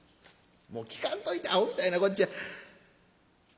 もう聞かんといてあほみたいなこっちゃ。